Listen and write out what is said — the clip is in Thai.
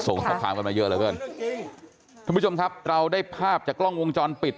ส่งข้อความกันมาเยอะเหลือเกินท่านผู้ชมครับเราได้ภาพจากกล้องวงจรปิด